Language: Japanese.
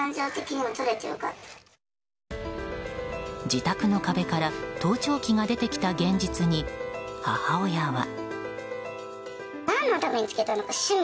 自宅の壁から盗聴器が出てきた現実に母親は。